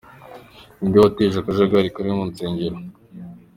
Ni nde wateje akajagari kari mu nsengero?.